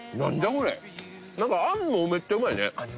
これ何かあんもめっちゃうまいねあん